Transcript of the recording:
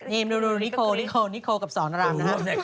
นี่ดูนิโคลกับสอนราม